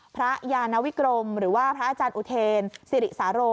พระยานวิกรมหรือว่าพระอาจารย์อุเทนสิริสาโร